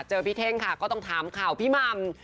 เจอพี่เท่งค่ะก็ต้องถามข่าวพี่หม่ำ